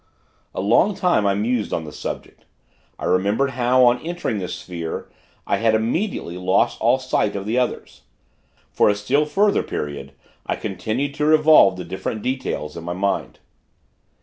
A long time, I mused on the subject. I remembered how, on entering the sphere, I had, immediately, lost all sight of the others. For a still further period, I continued to revolve the different details in my mind.